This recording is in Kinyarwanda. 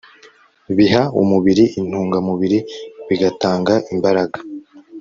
Biha umubiri intungamubiri bigatanga imbaraga